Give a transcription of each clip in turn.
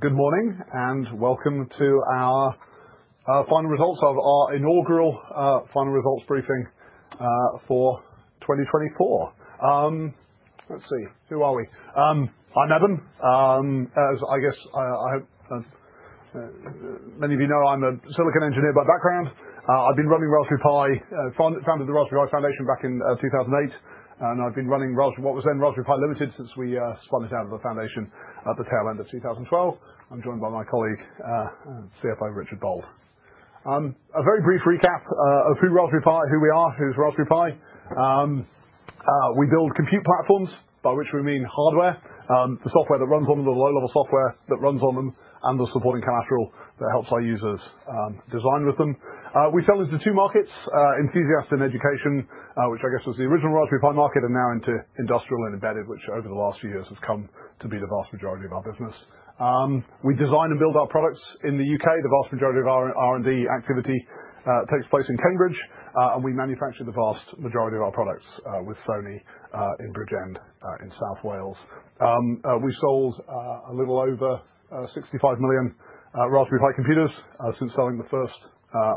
Good morning, and welcome to our final results of our inaugural final results briefing for 2024. Let's see, who are we? I'm Eben. As I guess many of you know, I'm a silicon engineer by background. I've been running Raspberry Pi, founded the Raspberry Pi Foundation back in 2008. I've been running what was then Raspberry Pi Limited since we spun it out of the foundation at the tail end of 2012. I'm joined by my colleague, CFO Richard Boult. A very brief recap of who Raspberry Pi, who we are, who's Raspberry Pi. We build compute platforms, by which we mean hardware, the software that runs on them, the low-level software that runs on them, and the supporting collateral that helps our users design with them. We sell into two markets: enthusiasts in education, which I guess was the original Raspberry Pi market, and now into industrial and embedded, which over the last few years has come to be the vast majority of our business. We design and build our products in the U.K. The vast majority of our R&D activity takes place in Cambridge. We manufacture the vast majority of our products with Sony in Bridgend in South Wales. We've sold a little over 65 million Raspberry Pi computers since selling the first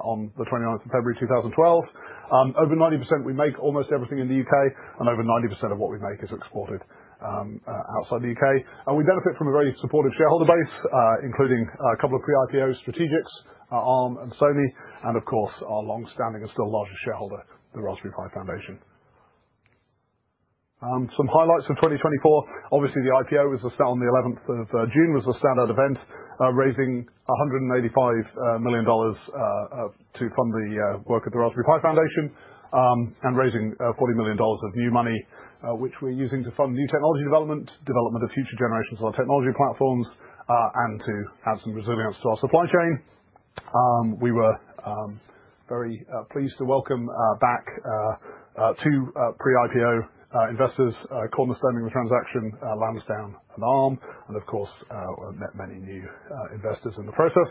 on the 29th of February 2012. Over 90%—we make almost everything in the U.K. Over 90% of what we make is exported outside the U.K. We benefit from a very supportive shareholder base, including a couple of pre-IPO strategics, Arm and Sony. Of course, our longstanding and still largest shareholder, the Raspberry Pi Foundation. Some highlights of 2024. Obviously, the IPO was on the 11th of June, was a standout event, raising $185 million to fund the work at the Raspberry Pi Foundation and raising $40 million of new money, which we're using to fund new technology development, development of future generations of our technology platforms, and to add some resilience to our supply chain. We were very pleased to welcome back two pre-IPO investors, cornerstone in the transaction, Lansdowne, and Arm. Of course, met many new investors in the process.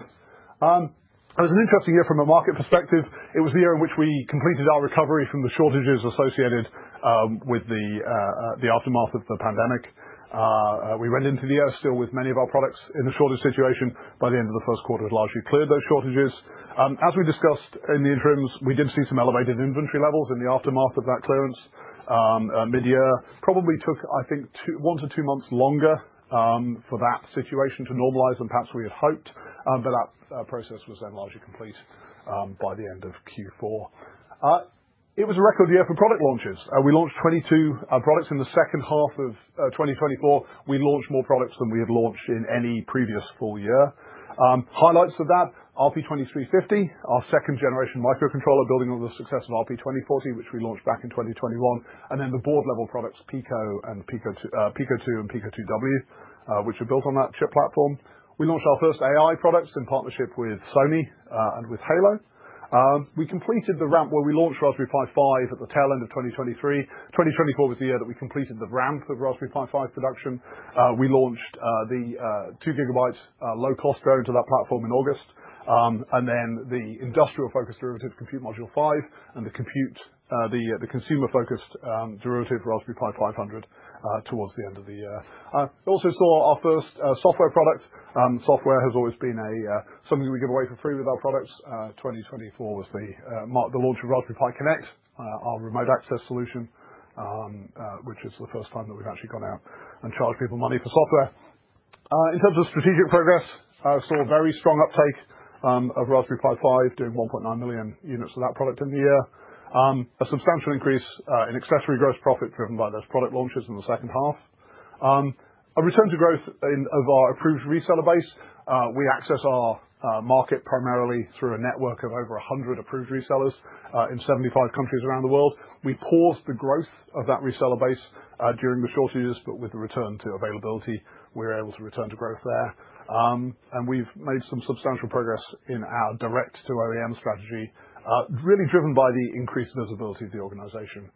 It was an interesting year from a market perspective. It was the year in which we completed our recovery from the shortages associated with the aftermath of the pandemic. We went into the year still with many of our products in a shortage situation. By the end of the first quarter, we had largely cleared those shortages. As we discussed in the interims, we did see some elevated inventory levels in the aftermath of that clearance. Mid-year probably took, I think, one to two months longer for that situation to normalize than perhaps we had hoped. That process was then largely complete by the end of Q4. It was a record year for product launches. We launched 22 products in the second half of 2024. We launched more products than we had launched in any previous full year. Highlights of that, RP2350, our second-generation microcontroller, building on the success of RP2040, which we launched back in 2021. The board-level products, Pico 2 and Pico 2 W, are built on that chip platform. We launched our first AI products in partnership with Sony and with Hailo. We completed the ramp where we launched Raspberry Pi 5 at the tail end of 2023. 2024 was the year that we completed the ramp of Raspberry Pi 5 production. We launched the 2 gigabyte low-cost variant of that platform in August. The industrial-focused derivative, Compute Module 5, and the consumer-focused derivative, Raspberry Pi 500, were launched towards the end of the year. We also saw our first software product. Software has always been something we give away for free with our products. 2024 was the launch of Raspberry Pi Connect, our remote access solution, which is the first time that we've actually gone out and charged people money for software. In terms of strategic progress, I saw very strong uptake of Raspberry Pi 5, doing 1.9 million units of that product in the year. A substantial increase in accessory gross profit was driven by those product launches in the second half. There was a return to growth of our approved reseller base. We access our market primarily through a network of over 100 Approved Resellers in 75 countries around the world. We paused the growth of that reseller base during the shortages, but with the return to availability, we were able to return to growth there. We have made some substantial progress in our direct-to-OEM strategy, really driven by the increased visibility of the organization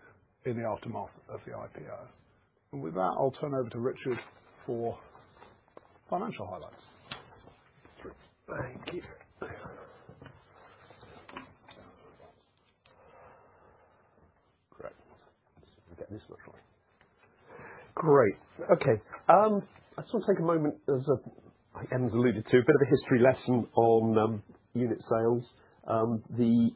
in the aftermath of the IPO. With that, I'll turn over to Richard for financial highlights. Thank you. Great. Let's see if we get this looking. Great. OK, I just want to take a moment, as I alluded to, a bit of a history lesson on unit sales. The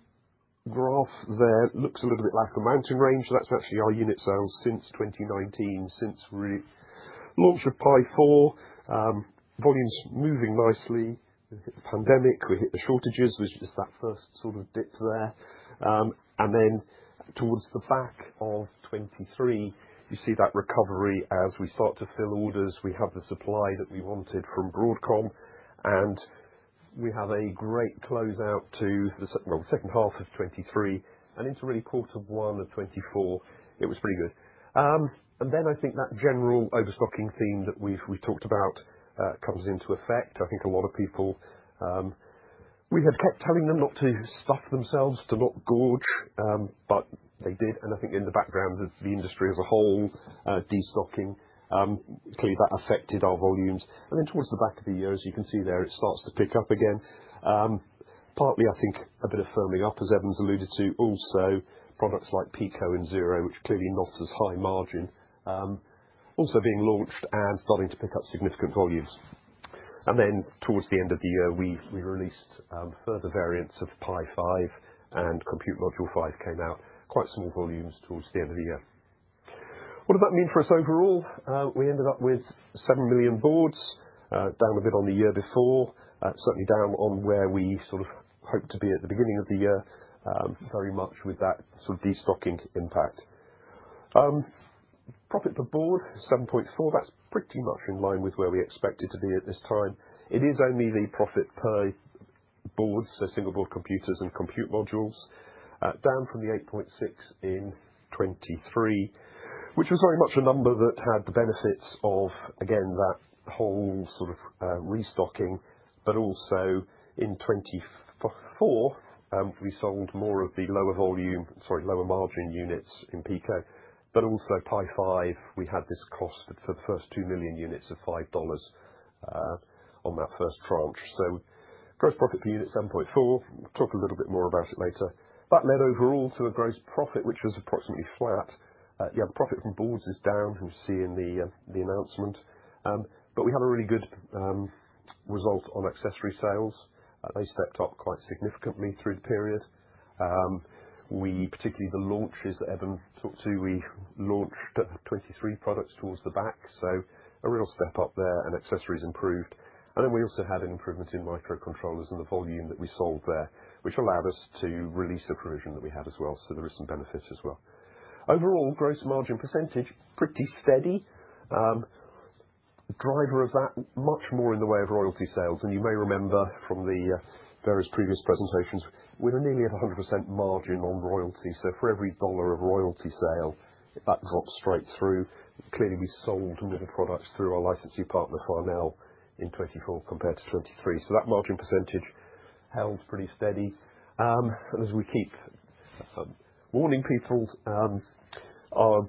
graph there looks a little bit like a mountain range. That's actually our unit sales since 2019, since launch of Pi 4. Volumes moving nicely. We hit the pandemic. We hit the shortages. There's just that first sort of dip there. Then towards the back of 2023, you see that recovery as we start to fill orders. We have the supply that we wanted from Broadcom. We have a great closeout to the second half of 2023. Into really quarter one of 2024, it was pretty good. I think that general overstocking theme that we've talked about comes into effect. I think a lot of people, we had kept telling them not to stuff themselves, to not gorge, but they did. I think in the background of the industry as a whole, destocking, clearly that affected our volumes. Towards the back of the year, as you can see there, it starts to pick up again. Partly, I think, a bit of firming up, as Eben's alluded to, also products like Pico and Zero, which are clearly not as high margin, also being launched and starting to pick up significant volumes. Towards the end of the year, we released further variants of Raspberry Pi 5, and Compute Module 5 came out, quite small volumes towards the end of the year. What did that mean for us overall? We ended up with 7 million boards, down a bit on the year before, certainly down on where we sort of hoped to be at the beginning of the year, very much with that sort of destocking impact. Profit per board, $7.4, that's pretty much in line with where we expected to be at this time. It is only the profit per board, so single-board computers and Compute Modules, down from the $8.6 in 2023, which was very much a number that had the benefits of, again, that whole sort of restocking. Also, in 2024, we sold more of the lower margin units in Pico. Also, Pi 5, we had this cost for the first 2 million units of $5 on that first tranche. Gross profit per unit, $7.4. We'll talk a little bit more about it later. That led overall to a gross profit, which was approximately flat. Yeah, the profit from boards is down, we see in the announcement. We had a really good result on accessory sales. They stepped up quite significantly through the period. Particularly the launches that Eben talked to, we launched 23 products towards the back. A real step up there, and accessories improved. We also had an improvement in microcontrollers and the volume that we sold there, which allowed us to release a provision that we had as well. There were some benefits as well. Overall, gross margin percentage, pretty steady. Driver of that, much more in the way of royalty sales. You may remember from the various previous presentations, we were nearly at 100% margin on royalty. For every dollar of royalty sale, that drops straight through. Clearly, we sold more products through our licensee partner, Farnell, in 2024 compared to 2023. That margin percentage held pretty steady. As we keep warning people, our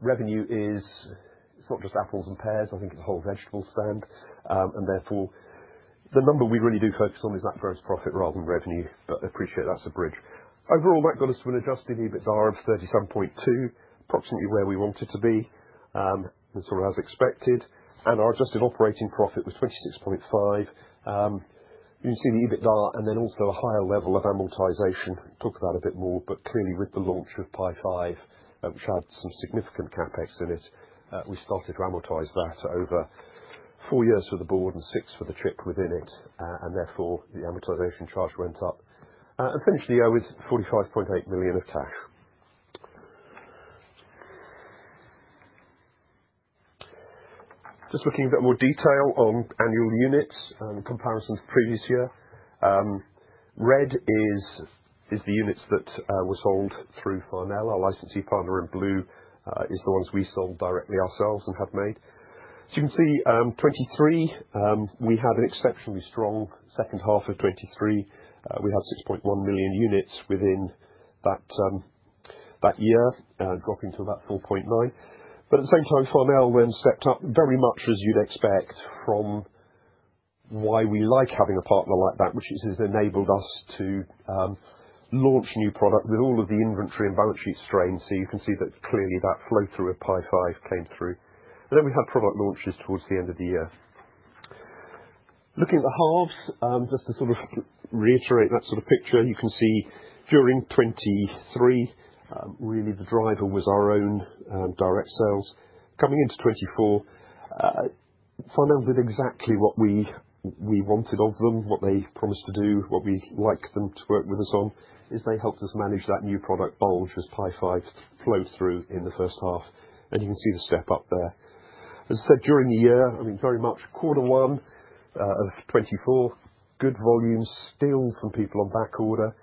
revenue is, it's not just apples and pears. I think it's a whole vegetable stand. Therefore, the number we really do focus on is that gross profit rather than revenue. I appreciate that's a bridge. Overall, that got us to an adjusted EBITDA of $37.2 million, approximately where we wanted to be, sort of as expected. Our adjusted operating profit was $26.5 million. You can see the EBITDA and then also a higher level of amortization. We'll talk about it a bit more. Clearly, with the launch of Raspberry Pi 5, which had some significant CapEx in it, we started to amortize that over four years for the board and six for the chip within it. Therefore, the amortization charge went up. We finished the year with $45.8 million of cash. Just looking in a bit more detail at annual units and comparisons to the previous year. Red is the units that were sold through Farnell, our licensee partner. Blue is the ones we sold directly ourselves and have made. You can see in 2023, we had an exceptionally strong second half of 2023. We had 6.1 million units within that year, dropping to about 4.9. At the same time, Farnell then stepped up very much, as you'd expect, which is why we like having a partner like that. This has enabled us to launch new product with all of the inventory and balance sheet strain. You can see that clearly, that flow through of Pi 5 came through. We had product launches towards the end of the year. Looking at the halves, just to sort of reiterate that sort of picture, you can see during 2023, really the driver was our own direct sales. Coming into 2024, Farnell did exactly what we wanted of them, what they promised to do, what we like them to work with us on, is they helped us manage that new product bulge as Pi 5 flowed through in the first half. You can see the step up there. As I said, during the year, I mean, very much quarter one of 2024, good volumes still from people on back order.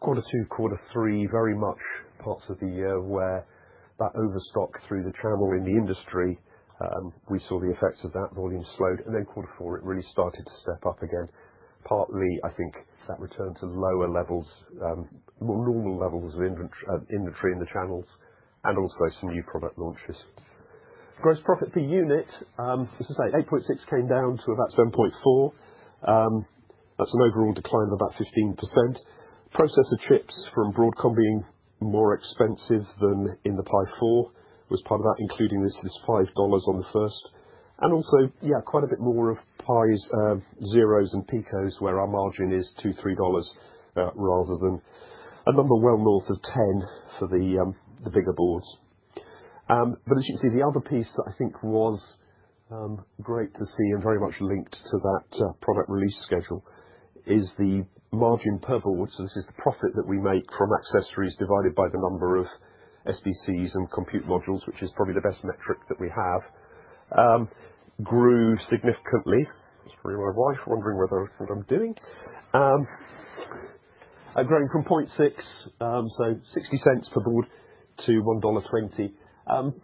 Quarter two, quarter three, very much parts of the year where that overstock through the channel in the industry, we saw the effects of that volume slowed. Quarter four, it really started to step up again. Partly, I think that returned to lower levels, more normal levels of inventory in the channels, and also some new product launches. Gross profit per unit, as I say, $8.6 came down to about $7.4. That's an overall decline of about 15%. Processor chips from Broadcom being more expensive than in the Pi 4 was part of that, including this $5 on the first. Also, yeah, quite a bit more of Pi Zeros and Picos where our margin is $2, $3 rather than a number well north of 10 for the bigger boards. As you can see, the other piece that I think was great to see and very much linked to that product release schedule is the margin per board. This is the profit that we make from accessories divided by the number of SBCs and Compute Modules, which is probably the best metric that we have, grew significantly. That's probably my wife wondering whether I think I'm doing. Growing from $0.60 per board to $1.20.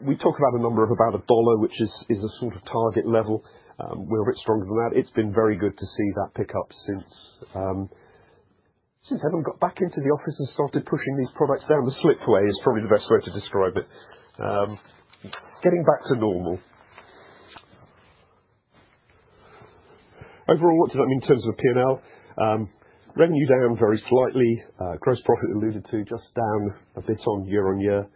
We talk about a number of about a dollar, which is a sort of target level. We're a bit stronger than that. It's been very good to see that pick up since Eben got back into the office and started pushing these products down the slipway is probably the best way to describe it. Getting back to normal. Overall, what did that mean in terms of P&L? Revenue down very slightly. Gross profit alluded to just down a bit on year-on-year,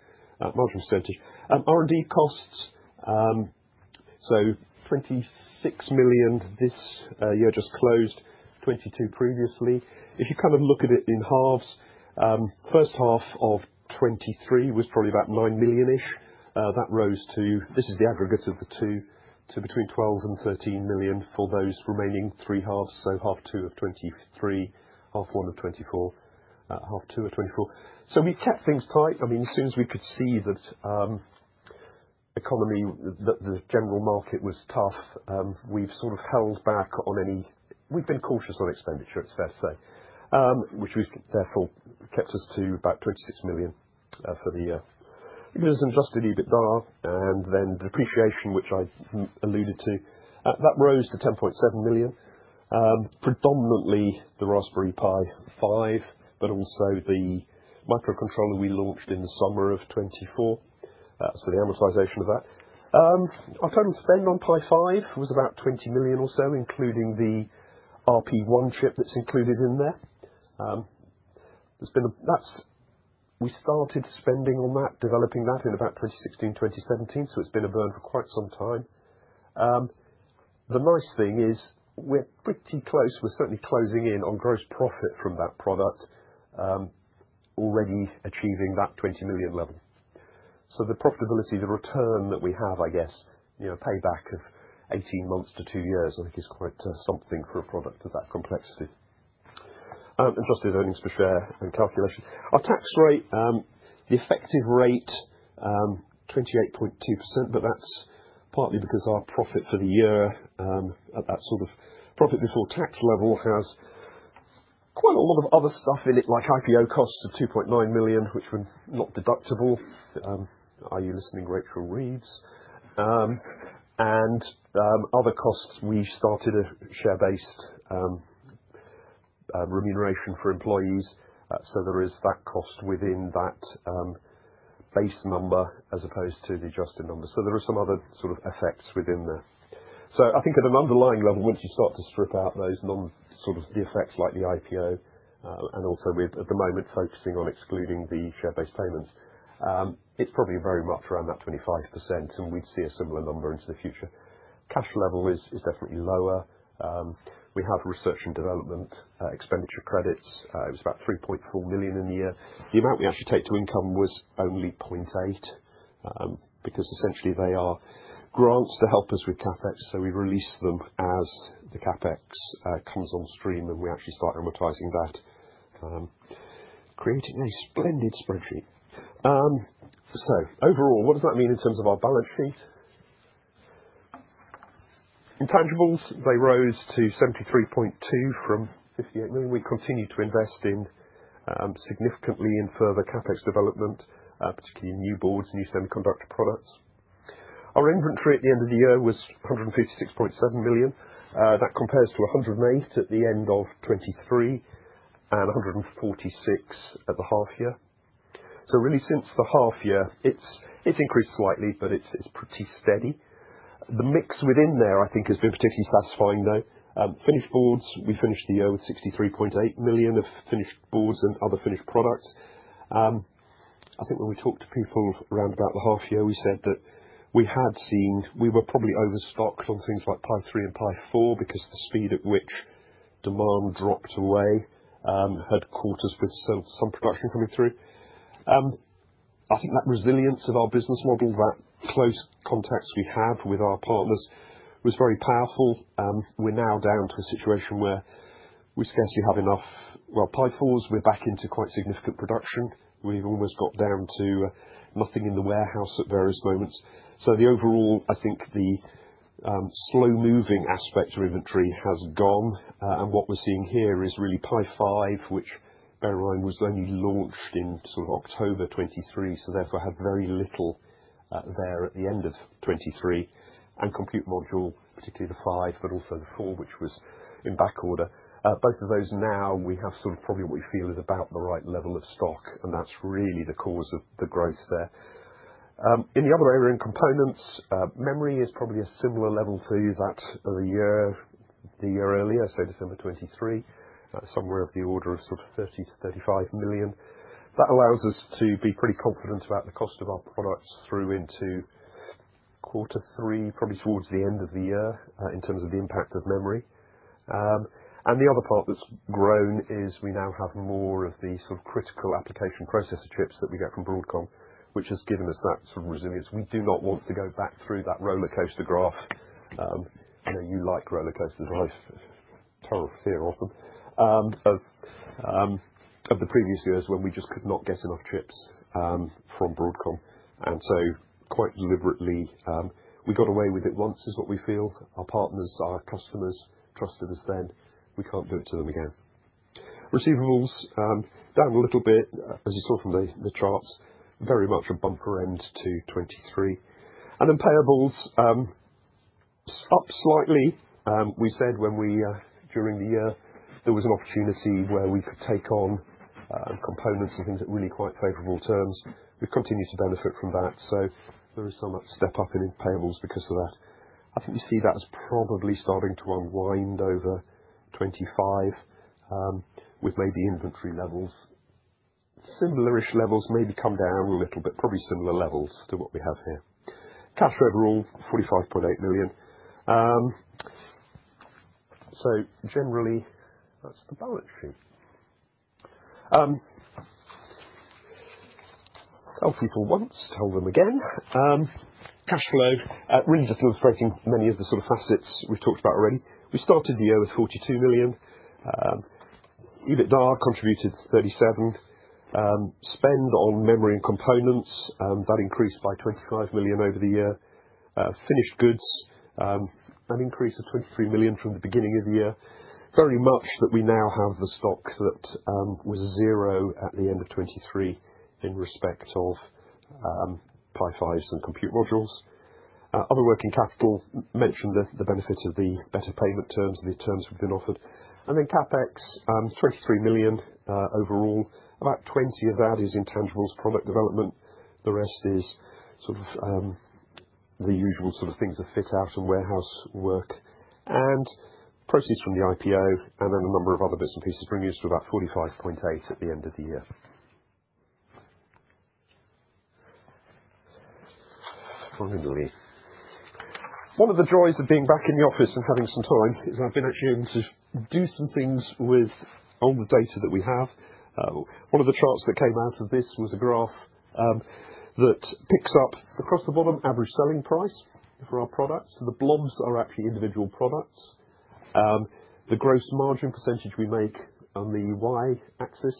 margin percentage. R&D costs, so $26 million this year just closed, $22 million previously. If you kind of look at it in halves, first half of 2023 was probably about 9 million-ish. That rose to, this is the aggregate of the two, to between 12 million-13 million for those remaining three halves. Half two of 2023, half one of 2024, half two of 2024. We have kept things tight. I mean, as soon as we could see that the general market was tough, we have sort of held back on any, we have been cautious on expenditure, it is fair to say, which has therefore kept us to about 26 million for the year. You can just adjust the EBITDA. The depreciation, which I alluded to, that rose to 10.7 million. Predominantly the Raspberry Pi 5, but also the microcontroller we launched in the summer of 2024. The amortization of that. Our total spend on Pi 5 was about $20 million or so, including the RP1 chip that's included in there. We started spending on that, developing that in about 2016, 2017. It has been a burn for quite some time. The nice thing is we're pretty close. We're certainly closing in on gross profit from that product, already achieving that $20 million level. The profitability, the return that we have, I guess, payback of 18 months to two years, I think is quite something for a product of that complexity. Adjusted earnings per share and calculation. Our tax rate, the effective rate, 28.2%. That is partly because our profit for the year, that sort of profit before tax level has quite a lot of other stuff in it, like IPO costs of $2.9 million, which were not deductible. Are you listening, Rachel Reeves? Other costs, we started a share-based remuneration for employees. There is that cost within that base number as opposed to the adjusted number. There are some other sort of effects within there. I think at an underlying level, once you start to strip out those non sort of the effects like the IPO, and also we're at the moment focusing on excluding the share-based payments, it's probably very much around that 25%. We'd see a similar number into the future. Cash level is definitely lower. We have research and development expenditure credits. It was about $3.4 million in the year. The amount we actually take to income was only $0.8 million because essentially they are grants to help us with CapEx. We release them as the CapEx comes on stream, and we actually start amortizing that, creating a splendid spreadsheet. Overall, what does that mean in terms of our balance sheet? Intangibles, they rose to $73.2 million from $58 million. We continue to invest significantly in further CapEx development, particularly new boards, new semiconductor products. Our inventory at the end of the year was $156.7 million. That compares to $108 million at the end of 2023 and $146 million at the half year. Really since the half year, it's increased slightly, but it's pretty steady. The mix within there, I think, has been particularly satisfying, though. Finished boards, we finished the year with $63.8 million of finished boards and other finished products. I think when we talked to people around about the half year, we said that we had seen we were probably overstocked on things like Raspberry Pi 3 and Raspberry Pi 4 because the speed at which demand dropped away had caught us with some production coming through. I think that resilience of our business model, that close contacts we have with our partners was very powerful. We're now down to a situation where we scarcely have enough. Pi 4s, we're back into quite significant production. We've almost got down to nothing in the warehouse at various moments. The overall, I think the slow-moving aspect of inventory has gone. What we're seeing here is really Pi 5, which, bear in mind, was only launched in sort of October 2023. Therefore, had very little there at the end of 2023. Compute Module, particularly the 5, but also the 4, which was in back order. Both of those now, we have probably what we feel is about the right level of stock. That's really the cause of the growth there. In the other area and components, memory is probably a similar level to that of the year earlier, so December 2023, somewhere of the order of 30-35 million. That allows us to be pretty confident about the cost of our products through into quarter three, probably towards the end of the year in terms of the impact of memory. The other part that's grown is we now have more of the critical application processor chips that we get from Broadcom, which has given us that resilience. We do not want to go back through that roller coaster graph. You know, you like roller coasters. I have a terrible fear of them. Of the previous years when we just could not get enough chips from Broadcom. Quite deliberately, we got away with it once is what we feel. Our partners, our customers trusted us then. We can't do it to them again. Receivables down a little bit, as you saw from the charts, very much a bumper end to 2023. Payables up slightly. We said during the year, there was an opportunity where we could take on components and things that were really quite favorable terms. We have continued to benefit from that. There is some step up in payables because of that. I think we see that as probably starting to unwind over 2025 with maybe inventory levels, similar-ish levels, maybe come down a little bit, probably similar levels to what we have here. Cash overall, $45.8 million. Generally, that is the balance sheet. Tell people once, tell them again. Cash flow, really just illustrating many of the sort of facets we have talked about already. We started the year with $42 million. EBITDA contributed 37. Spend on memory and components, that increased by $25 million over the year. Finished good, an increase of $23 million from the beginning of the year. Very much that we now have the stock that was zero at the end of 2023 in respect of Pi 5s and Compute Modules. Other working capital mentioned the benefit of the better payment terms, the terms we've been offered. CapEx, $23 million overall. About $20 million of that is intangibles, product development. The rest is sort of the usual sort of things that fit out and warehouse work. Proceeds from the IPO and then a number of other bits and pieces bringing us to about $45.8 million at the end of the year. Finally, one of the joys of being back in the office and having some time is I've been actually able to do some things with all the data that we have. One of the charts that came out of this was a graph that picks up across the bottom average selling price for our products. The blobs are actually individual products. The gross margin % we make on the Y axis.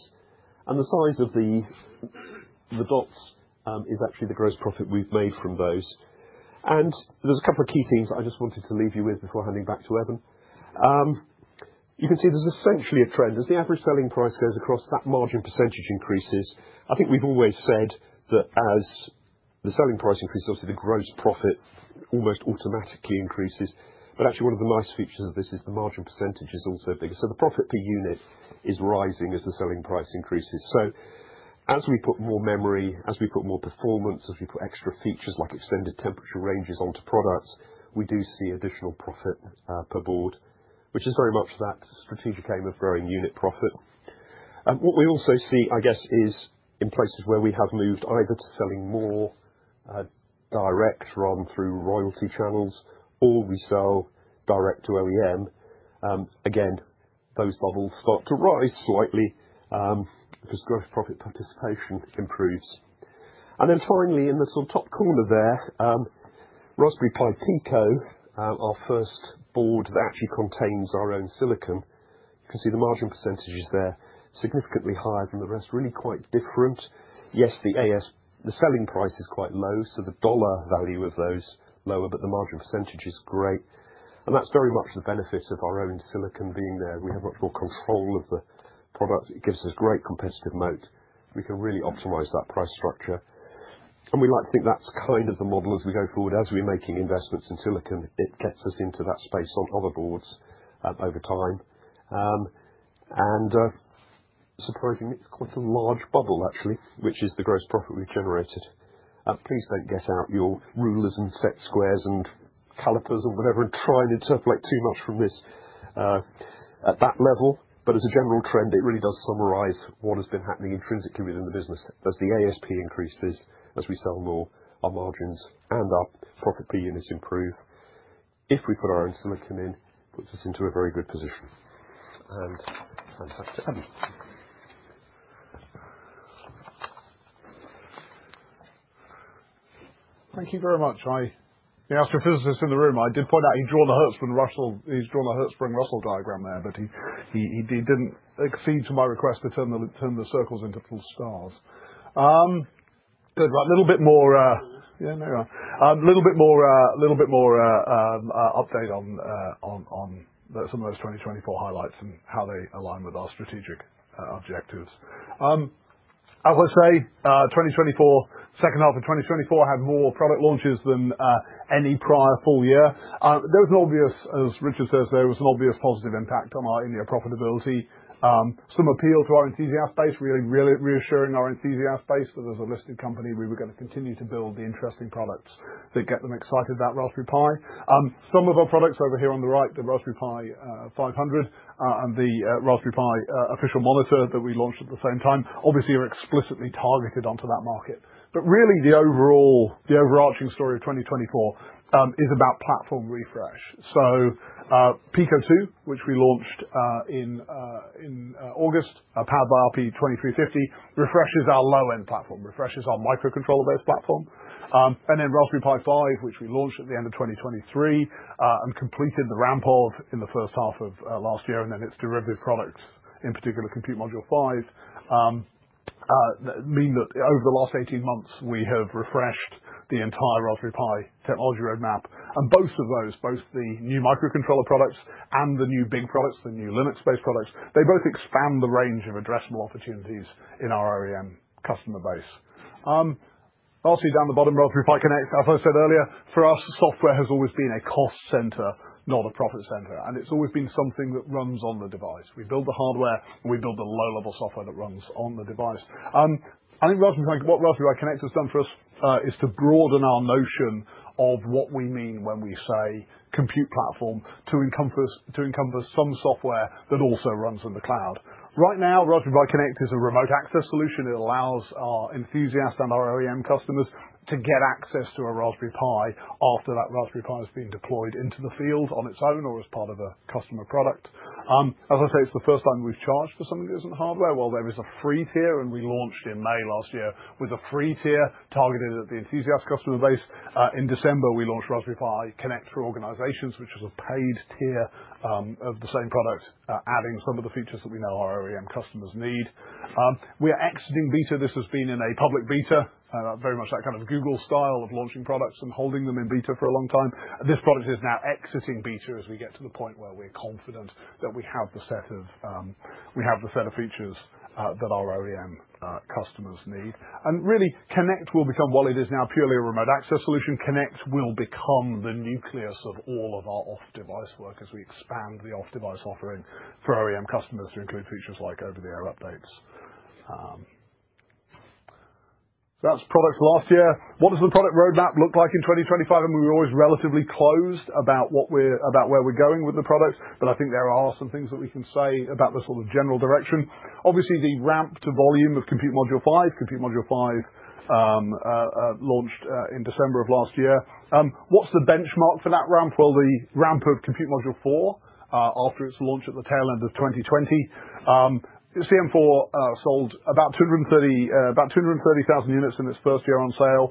And the size of the dots is actually the gross profit we've made from those. There's a couple of key things I just wanted to leave you with before handing back to Eben. You can see there's essentially a trend. As the average selling price goes across, that margin % increases. I think we've always said that as the selling price increases, obviously the gross profit almost automatically increases. Actually, one of the nice features of this is the margin percentage is also big. The profit per unit is rising as the selling price increases. As we put more memory, as we put more performance, as we put extra features like extended temperature ranges onto products, we do see additional profit per board, which is very much that strategic aim of growing unit profit. What we also see, I guess, is in places where we have moved either to selling more direct rather than through royalty channels, or we sell direct to OEM. Again, those bubbles start to rise slightly because gross profit participation improves. Finally, in the sort of top corner there, Raspberry Pi Pico, our first board that actually contains our own silicon. You can see the margin percentage is there significantly higher than the rest, really quite different. Yes, the selling price is quite low. The dollar value of those is lower, but the margin percentage is great. That is very much the benefit of our own silicon being there. We have much more control of the product. It gives us great competitive moat. We can really optimize that price structure. We like to think that is kind of the model as we go forward. As we are making investments in silicon, it gets us into that space on other boards over time. Surprisingly, it is quite a large bubble, actually, which is the gross profit we have generated. Please do not get out your rulers and set squares and calipers or whatever and try and interpolate too much from this at that level. As a general trend, it really does summarize what has been happening intrinsically within the business. As the ASP increases, as we sell more, our margins and our profit per units improve. If we put our own silicon in, it puts us into a very good position. Fantastic. Thank you very much. The astrophysicist in the room, I did point out he had drawn a Hertzsprung-Russell diagram there, but he did not accede to my request to turn the circles into little stars. Good. Right. A little bit more, yeah, no, you're right. A little bit more update on some of those 2024 highlights and how they align with our strategic objectives. As I say, 2024, second half of 2024 had more product launches than any prior full year. There was an obvious, as Richard says, there was an obvious positive impact on our in-year profitability. Some appeal to our enthusiast base, really reassuring our enthusiast base that as a listed company, we were going to continue to build the interesting products that get them excited about Raspberry Pi. Some of our products over here on the right, the Raspberry Pi 500 and the Raspberry Pi official monitor that we launched at the same time, obviously are explicitly targeted onto that market. Really, the overarching story of 2024 is about platform refresh. Pico 2, which we launched in August, powered by RP2350, refreshes our low-end platform, refreshes our microcontroller-based platform. Raspberry Pi 5, which we launched at the end of 2023 and completed the ramp of in the first half of last year, and its derivative products, in particular, Compute Module 5, mean that over the last 18 months, we have refreshed the entire Raspberry Pi technology roadmap. Both of those, both the new microcontroller products and the new big products, the new Linux-based products, they both expand the range of addressable opportunities in our OEM customer base. Lastly, down the bottom, Raspberry Pi Connect, as I said earlier, for us, software has always been a cost center, not a profit center. It has always been something that runs on the device. We build the hardware, and we build the low-level software that runs on the device. I think what Raspberry Pi Connect has done for us is to broaden our notion of what we mean when we say compute platform to encompass some software that also runs in the cloud. Right now, Raspberry Pi Connect is a remote access solution. It allows our enthusiasts and our OEM customers to get access to a Raspberry Pi after that Raspberry Pi has been deployed into the field on its own or as part of a customer product. As I say, it's the first time we've charged for something that isn't hardware. There is a free tier, and we launched in May last year with a free tier targeted at the enthusiast customer base. In December, we launched Raspberry Pi Connect for organizations, which was a paid tier of the same product, adding some of the features that we know our OEM customers need. We are exiting beta. This has been in a public beta, very much that kind of Google style of launching products and holding them in beta for a long time. This product is now exiting beta as we get to the point where we're confident that we have the set of features that our OEM customers need. Really, Connect will become, while it is now purely a remote access solution, Connect will become the nucleus of all of our off-device work as we expand the off-device offering for OEM customers to include features like over-the-air updates. That is products last year. What does the product roadmap look like in 2025? We were always relatively closed about where we're going with the products. I think there are some things that we can say about the sort of general direction. Obviously, the ramp to volume of Compute Module 5, Compute Module 5 launched in December of last year. What's the benchmark for that ramp? The ramp of Compute Module 4 after its launch at the tail end of 2020. CM4 sold about 230,000 units in its first year on sale,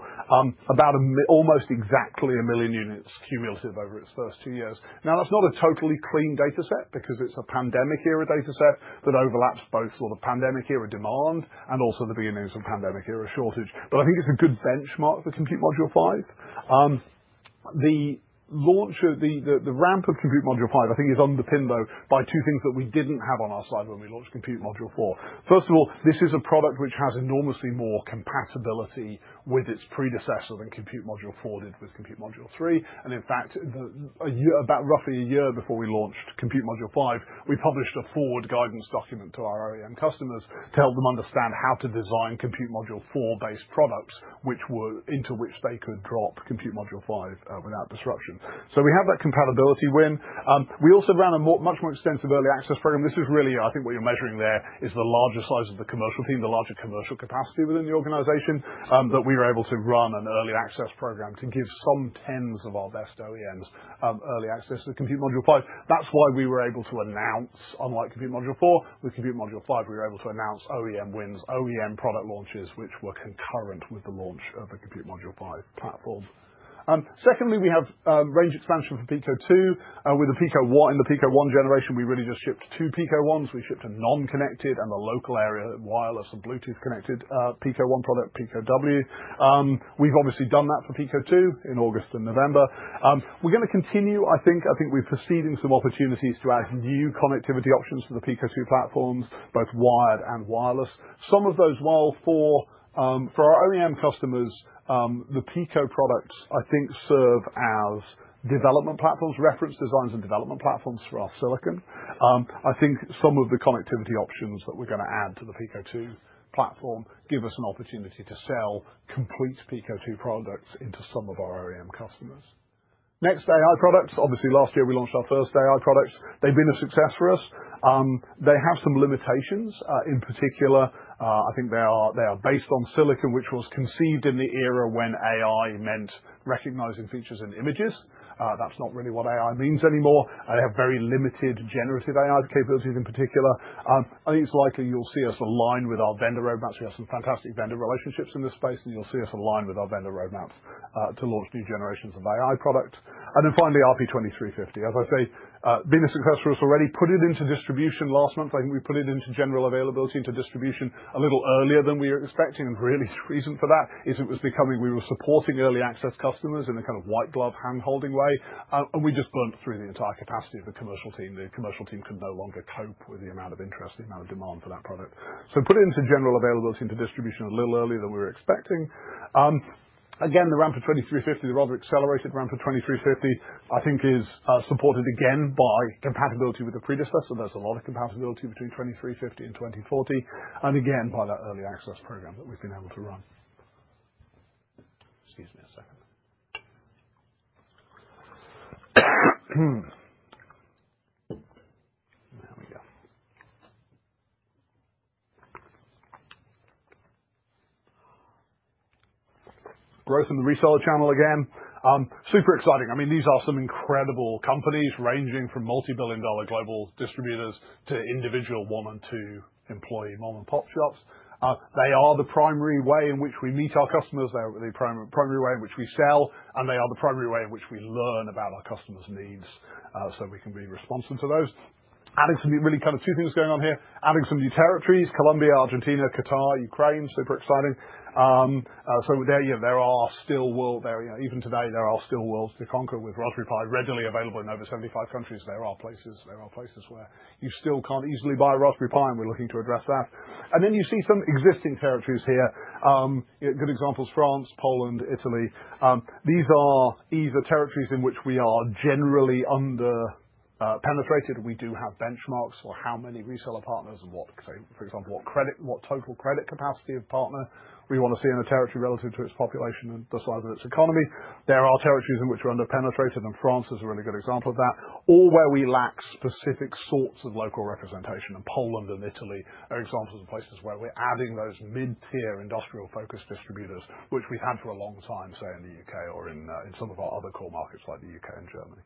about almost exactly 1 million units cumulative over its first two years. Now, that's not a totally clean data set because it's a pandemic-era data set that overlaps both sort of pandemic-era demand and also the beginnings of pandemic-era shortage. I think it's a good benchmark for Compute Module 5. The ramp of Compute Module 5, I think, is underpinned though by two things that we didn't have on our side when we launched Compute Module 4. First of all, this is a product which has enormously more compatibility with its predecessor than Compute Module 4 did with Compute Module 3. In fact, about roughly a year before we launched Compute Module 5, we published a forward guidance document to our OEM customers to help them understand how to design Compute Module 4-based products, into which they could drop Compute Module 5 without disruption. We have that compatibility win. We also ran a much more extensive early access program. This is really, I think what you're measuring there is the larger size of the commercial team, the larger commercial capacity within the organization that we were able to run an early access program to give some tens of our best OEMs early access to Compute Module 5. That's why we were able to announce, unlike Compute Module 4, with Compute Module 5, we were able to announce OEM wins, OEM product launches which were concurrent with the launch of the Compute Module 5 platform. Secondly, we have range expansion for Pico 2. With the Pico 1, in the Pico 1 generation, we really just shipped two Pico 1. We shipped a non-connected and a local area wireless and Bluetooth connected Pico 1 product, Pico W. We've obviously done that for Pico 2 in August and November. We're going to continue, I think. I think we're perceiving some opportunities throughout new connectivity options for the Pico 2 platforms, both wired and wireless. Some of those, for our OEM customers, the Pico products, I think, serve as development platforms, reference designs and development platforms for our silicon. I think some of the connectivity options that we're going to add to the Pico 2 platform give us an opportunity to sell complete Pico 2 products into some of our OEM customers. Next, AI products. Obviously, last year we launched our first AI products. They've been a success for us. They have some limitations. In particular, I think they are based on silicon, which was conceived in the era when AI meant recognizing features in images. That's not really what AI means anymore. They have very limited generative AI capabilities in particular. I think it's likely you'll see us align with our vendor roadmaps. We have some fantastic vendor relationships in this space, and you'll see us align with our vendor roadmaps to launch new generations of AI products. Finally, RP2350. As I say, been a success for us already. Put it into distribution last month. I think we put it into general availability into distribution a little earlier than we were expecting. Really, the reason for that is it was becoming we were supporting early access customers in a kind of white glove hand-holding way. We just burnt through the entire capacity of the commercial team. The commercial team could no longer cope with the amount of interest, the amount of demand for that product. Put it into general availability into distribution a little earlier than we were expecting. Again, the ramp to 2350, the rather accelerated ramp to 2350, I think is supported again by compatibility with the predecessor. There is a lot of compatibility between 2350 and 2040. Again, by that early access program that we have been able to run. Excuse me a second. There we go. Growth in the reseller channel again. Super exciting. I mean, these are some incredible companies ranging from multi-billion dollar global distributors to individual one and two employee mom-and-pop shops. They are the primary way in which we meet our customers. They are the primary way in which we sell. They are the primary way in which we learn about our customers' needs so we can be responsive to those. Adding some really kind of two things going on here. Adding some new territories: Colombia, Argentina, Qatar, Ukraine. Super exciting. There are still worlds there. Even today, there are still worlds to conquer with Raspberry Pi readily available in over 75 countries. There are places where you still can't easily buy Raspberry Pi, and we're looking to address that. You see some existing territories here. Good examples, France, Poland, Italy. These are either territories in which we are generally under-penetrated. We do have benchmarks for how many reseller partners and, for example, what total credit capacity of partner we want to see in a territory relative to its population and the size of its economy. There are territories in which we're under-penetrated, and France is a really good example of that. Or where we lack specific sorts of local representation. Poland and Italy are examples of places where we're adding those mid-tier industrial-focused distributors, which we've had for a long time, say, in the U.K. or in some of our other core markets like the U.K. and Germany.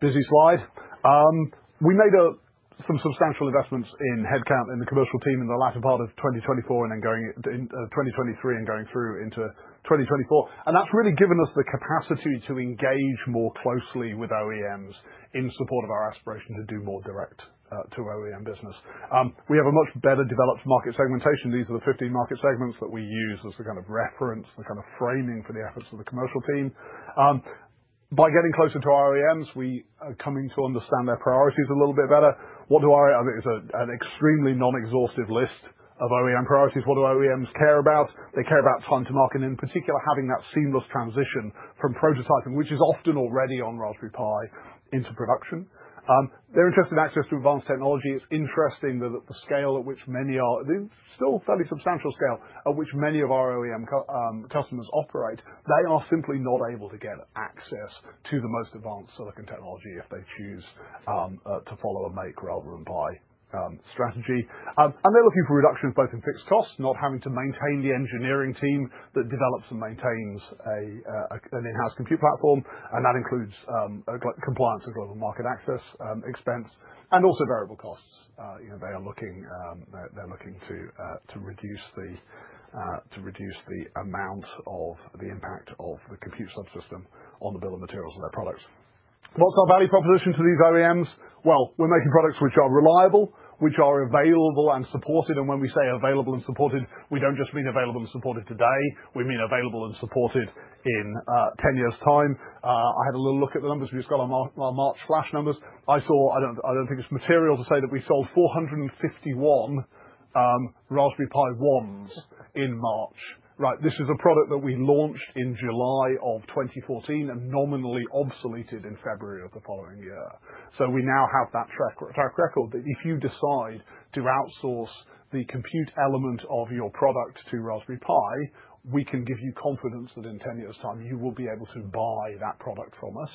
Busy slide. We made some substantial investments in headcount in the commercial team in the latter part of 2024 and then going in 2023 and going through into 2024. That's really given us the capacity to engage more closely with OEMs in support of our aspiration to do more direct to OEM business. We have a much better developed market segmentation. These are the 15 market segments that we use as the kind of reference, the kind of framing for the efforts of the commercial team. By getting closer to our OEMs, we are coming to understand their priorities a little bit better. What do our—I think it's an extremely non-exhaustive list of OEM priorities. What do OEMs care about? They care about time to market, and in particular, having that seamless transition from prototyping, which is often already on Raspberry Pi, into production. They're interested in access to advanced technology. It's interesting that the scale at which many are—still fairly substantial scale—at which many of our OEM customers operate, they are simply not able to get access to the most advanced silicon technology if they choose to follow a make rather than buy strategy. They are looking for reductions both in fixed costs, not having to maintain the engineering team that develops and maintains an in-house compute platform. That includes compliance and global market access expense and also variable costs. They are looking to reduce the amount of the impact of the compute subsystem on the bill of materials of their products. What is our value proposition to these OEMs? We are making products which are reliable, which are available and supported. When we say available and supported, we do not just mean available and supported today. We mean available and supported in 10 years' time. I had a little look at the numbers we just got on our March flash numbers. I do not think it is material to say that we sold 451 Raspberry Pi 1 in March. Right? This is a product that we launched in July of 2014 and nominally obsoleted in February of the following year. We now have that track record that if you decide to outsource the compute element of your product to Raspberry Pi, we can give you confidence that in 10 years' time, you will be able to buy that product from us.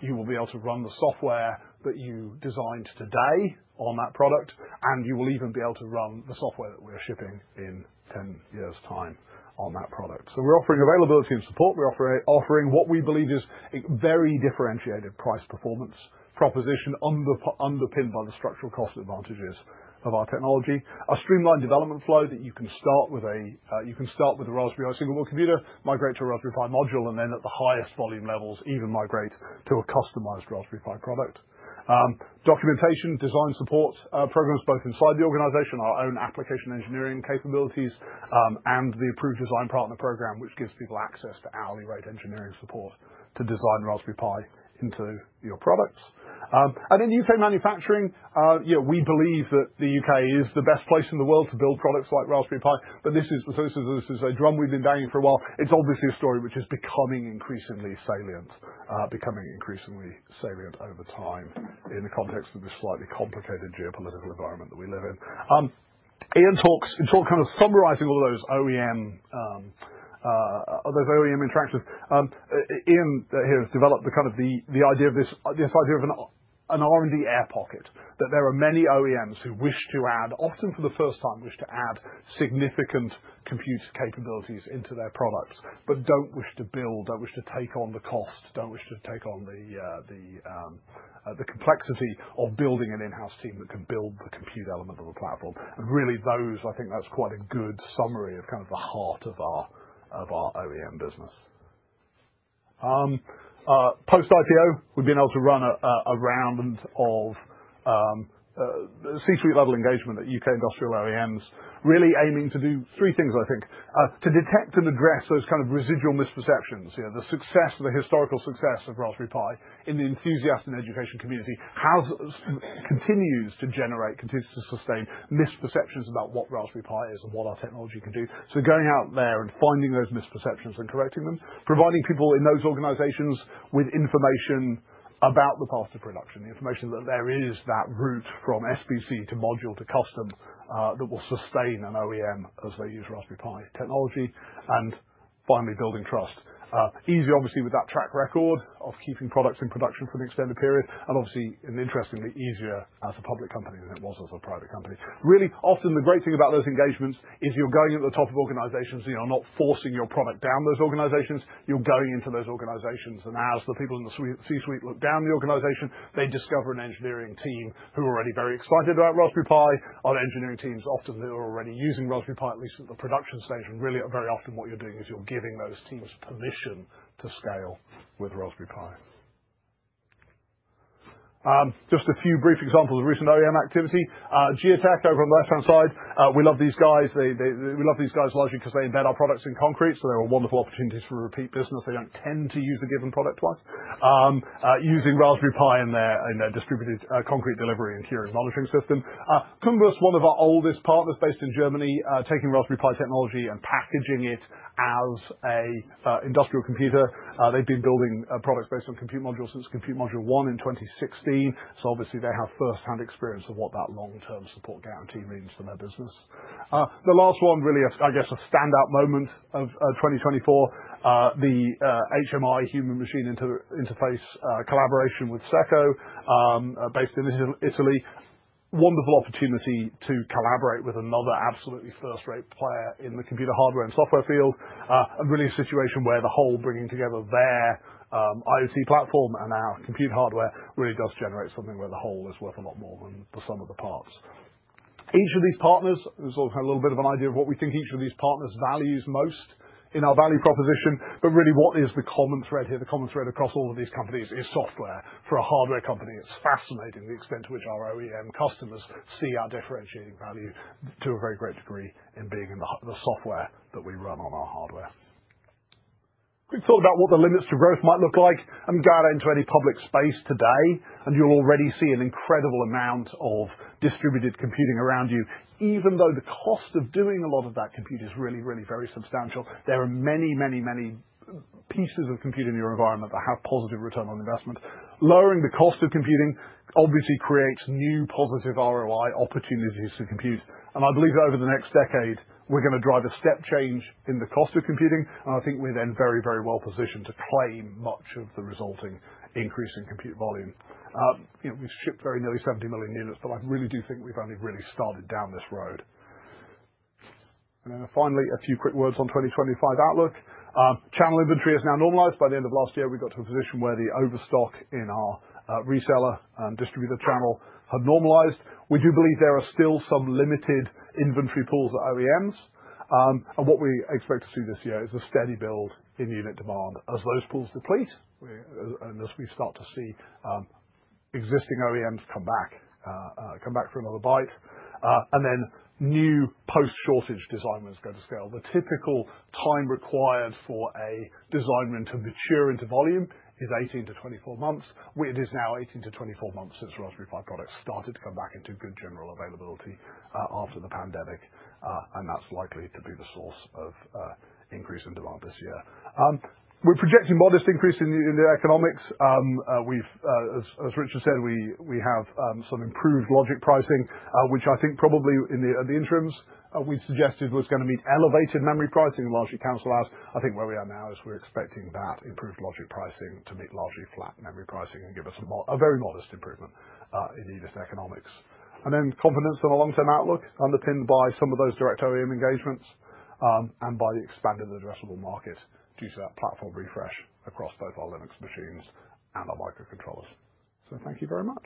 You will be able to run the software that you designed today on that product, and you will even be able to run the software that we are shipping in 10 years' time on that product. We are offering availability and support. We are offering what we believe is a very differentiated price performance proposition underpinned by the structural cost advantages of our technology. A streamlined development flow that you can start with a—you can start with a Raspberry Pi single board computer, migrate to a Raspberry Pi module, and then at the highest volume levels, even migrate to a customized Raspberry Pi product. Documentation, design support programs, both inside the organization, our own application engineering capabilities, and the Approved Design Partner program, which gives people access to hourly rate engineering support to design Raspberry Pi into your products. In U.K. manufacturing, we believe that the U.K. is the best place in the world to build products like Raspberry Pi. This is a drum we've been banging for a while. It is obviously a story which is becoming increasingly salient, becoming increasingly salient over time in the context of this slightly complicated geopolitical environment that we live in. Ian talked kind of summarizing all of those OEM interactions. Ian here has developed the kind of the idea of this idea of an R&D air pocket, that there are many OEMs who wish to add, often for the first time, wish to add significant compute capabilities into their products, but do not wish to build, do not wish to take on the cost, do not wish to take on the complexity of building an in-house team that can build the compute element of the platform. Really, those, I think that is quite a good summary of kind of the heart of our OEM business. Post-IPO, we have been able to run a round of C-suite level engagement at U.K. industrial OEMs, really aiming to do three things, I think. To detect and address those kind of residual misperceptions. The success, the historical success of Raspberry Pi in the enthusiast and education community continues to generate, continues to sustain misperceptions about what Raspberry Pi is and what our technology can do. Going out there and finding those misperceptions and correcting them, providing people in those organizations with information about the path to production, the information that there is that route from SBC to module to custom that will sustain an OEM as they use Raspberry Pi technology, and finally building trust. Easier, obviously, with that track record of keeping products in production for an extended period, and obviously, interestingly, easier as a public company than it was as a private company. Really, often the great thing about those engagements is you're going at the top of organizations and you're not forcing your product down those organizations. You're going into those organizations. As the people in the C-suite look down the organization, they discover an engineering team who are already very excited about Raspberry Pi. Other engineering teams, often they're already using Raspberry Pi, at least at the production stage. Really, very often what you're doing is you're giving those teams permission to scale with Raspberry Pi. Just a few brief examples of recent OEM activity. Giatec over on the left-hand side. We love these guys. We love these guys largely because they embed our products in concrete. They're a wonderful opportunity for repeat business. They don't tend to use a given product twice. Using Raspberry Pi in their distributed concrete delivery and curing monitoring system. KUNBUS, one of our oldest partners based in Germany, taking Raspberry Pi technology and packaging it as an industrial computer. They've been building products based on Compute Modules since Compute Module 1 in 2016. Obviously, they have first-hand experience of what that long-term support guarantee means to their business. The last one, really, I guess a standout moment of 2024, the HMI, human-machine interface collaboration with SECO, based in Italy. Wonderful opportunity to collaborate with another absolutely first-rate player in the computer hardware and software field. Really, a situation where the whole bringing together their IoT platform and our compute hardware really does generate something where the whole is worth a lot more than the sum of the parts. Each of these partners, we've sort of had a little bit of an idea of what we think each of these partners values most in our value proposition. Really, what is the common thread here? The common thread across all of these companies is software. For a hardware company, it's fascinating the extent to which our OEM customers see our differentiating value to a very great degree in being in the software that we run on our hardware. Quick thought about what the limits to growth might look like. I'm going to go out into any public space today, and you'll already see an incredible amount of distributed computing around you. Even though the cost of doing a lot of that compute is really, really very substantial, there are many, many, many pieces of compute in your environment that have positive return on investment. Lowering the cost of computing obviously creates new positive ROI opportunities to compute. I believe that over the next decade, we're going to drive a step change in the cost of computing. I think we're then very, very well positioned to claim much of the resulting increase in compute volume. We've shipped very nearly 70 million units, but I really do think we've only really started down this road. Finally, a few quick words on 2025 outlook. Channel inventory has now normalized. By the end of last year, we got to a position where the overstock in our reseller and distributor channel had normalized. We do believe there are still some limited inventory pools at OEMs. What we expect to see this year is a steady build in unit demand as those pools deplete and as we start to see existing OEMs come back for another bite. New post-shortage design wins go to scale. The typical time required for a design win to mature into volume is 18 months-24 months, which is now 18 months-24 months since Raspberry Pi products started to come back into good general availability after the pandemic. That is likely to be the source of increase in demand this year. We are projecting modest increase in the economics. As Richard said, we have some improved logic pricing, which I think probably in the interims we suggested was going to meet elevated memory pricing largely canceled out. I think where we are now is we are expecting that improved logic pricing to meet largely flat memory pricing and give us a very modest improvement in easiest economics. Confidence on a long-term outlook is underpinned by some of those direct OEM engagements and by the expanded addressable market due to that platform refresh across both our Linux machines and our microcontrollers. Thank you very much.